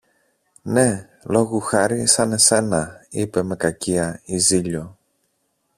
Ναι, λόγου χάρη σαν εσένα, είπε με κακία η Ζήλιω.